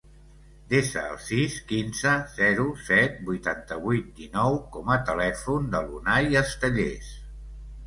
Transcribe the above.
Desa el sis, quinze, zero, set, vuitanta-vuit, dinou com a telèfon de l'Unay Estelles.